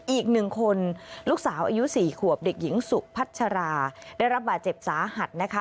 อีกหนึ่งคนลูกสาวอายุ๔ขวบเด็กหญิงสุพัชราได้รับบาดเจ็บสาหัสนะคะ